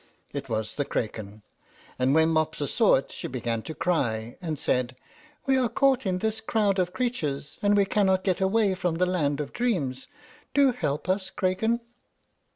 It was the Craken; and when Mopsa saw it, she began to cry, and said, "We are caught in this crowd of creatures, and we cannot get away from the land of dreams. Do help us, Craken!"